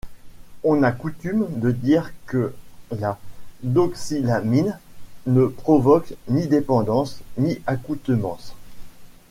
On a coutume de dire que la doxylamine ne provoque ni dépendance, ni accoutumance.